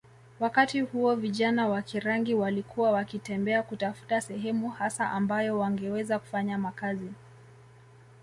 wakati huo vijana wa Kirangi walikuwa wakitembea kutafuta sehemu hasa ambayo wangeweza kufanya makazi